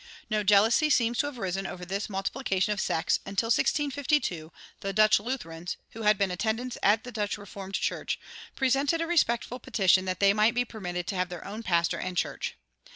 No jealousy seems to have arisen over this multiplication of sects until, in 1652, the Dutch Lutherans, who had been attendants at the Dutch Reformed Church, presented a respectful petition that they might be permitted to have their own pastor and church.